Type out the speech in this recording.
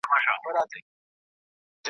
یوه بل ته د قومي او ژبني تعصب پېغورونه ورکول .